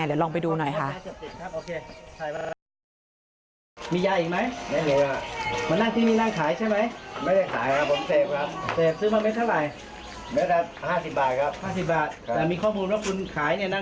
เดี๋ยวลองไปดูหน่อยค่ะ